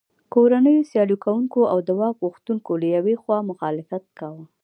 کورنیو سیالي کوونکو او د واک غوښتونکو له یوې خوا مخالفت کاوه.